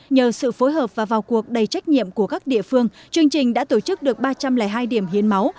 nhờ sự phối hợp và vào cuộc đầy trách nhiệm của các địa phương chương trình đã tổ chức được ba trăm linh hai điểm hiến máu